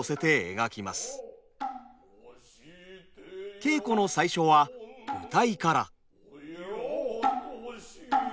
稽古の最初は謡から。